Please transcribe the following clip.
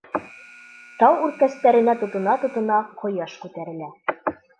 Тау үркәстәренә тотона-тотона ҡояш күтәрелә.